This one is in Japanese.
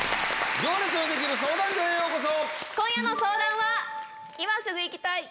『行列のできる相談所』へようこそ。